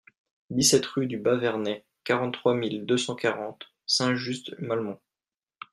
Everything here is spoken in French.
dix-sept rue du Bas-Vernay, quarante-trois mille deux cent quarante Saint-Just-Malmont